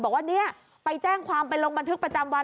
บอกว่าเนี่ยไปแจ้งความไปลงบันทึกประจำวัน